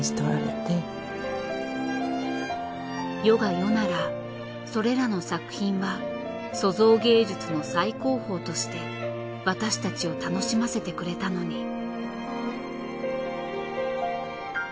世が世ならそれらの作品は塑像芸術の最高峰として私たちを楽しませてくれたのに。